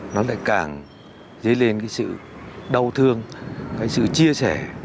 nó lại càng dấy lên cái sự đau thương cái sự chia sẻ